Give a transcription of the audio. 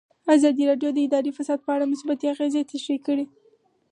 ازادي راډیو د اداري فساد په اړه مثبت اغېزې تشریح کړي.